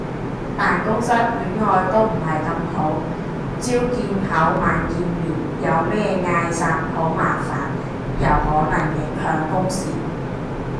辦公室戀愛都唔係咁好，朝見口晚見面有咩嗌霎好麻煩，又可能影響公事